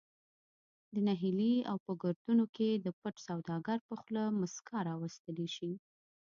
د نهیلي او په گردونو کی د پټ سوداگر په خوله مسکا راوستلې شي